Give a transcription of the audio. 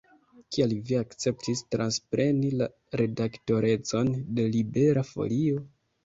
Kial vi akceptis transpreni la redaktorecon de Libera Folio?